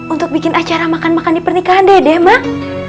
untuk bikin acara makan makan di pernikahan dede mak